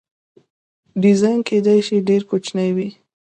ډیزاین کیدای شي ډیر کوچنی وي.